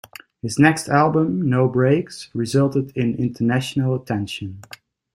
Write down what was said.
His next album, "No Brakes", resulted in international attention.